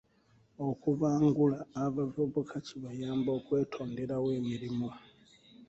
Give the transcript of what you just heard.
Okubangula abavubuka kibayamba okwetonderawo emirimu.